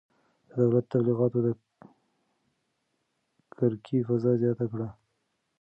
د دولت تبلیغاتو د کرکې فضا زیاته کړه.